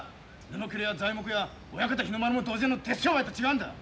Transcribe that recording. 布きれや材木や親方日の丸も同然の鉄商売と違うんだ。